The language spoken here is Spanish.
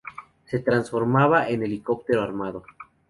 Se transforma en un Helicóptero armado.